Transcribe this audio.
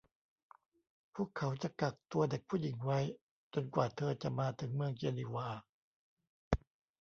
พวกเขาจะกักตัวเด็กผู้หญิงไว้ จนกว่าเธอจะมาถึงเมืองเจนีวา